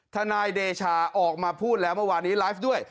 ทนายเดชาออกมาพูดแล้วเมื่อวานนี้ไลฟ์ด้วย